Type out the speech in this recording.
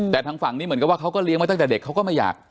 แต่ทางฝั่งนี้เหมือนกับว่าเขาก็เลี้ยงมาตั้งแต่เด็กเขาก็ไม่อยาก